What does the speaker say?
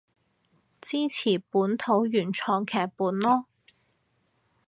支持本地原創劇本囉